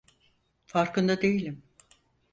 Farkında değilim!